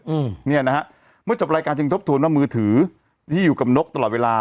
อืมเนี่ยนะฮะเมื่อจบรายการจึงทบทวนว่ามือถือที่อยู่กับนกตลอดเวลา